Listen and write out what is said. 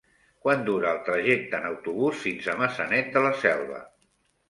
Quant dura el trajecte en autobús fins a Maçanet de la Selva?